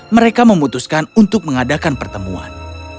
mereka memutuskan untuk mengadakan pertemuan